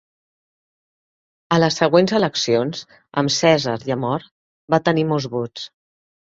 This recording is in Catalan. A les següents eleccions, amb Cèsar ja mort, va tenir molts vots.